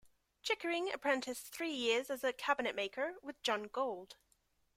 Chickering apprenticed three years as a cabinet maker with John Gould.